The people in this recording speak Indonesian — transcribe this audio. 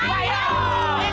aduh aduh hati